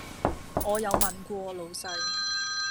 我有問過老闆